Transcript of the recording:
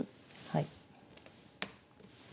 はい。